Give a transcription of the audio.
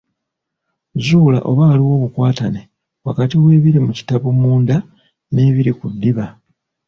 Zuula oba waliwo obukwatane wakati w’ebiri mu kitabo munda n’ebiri ku ddiba.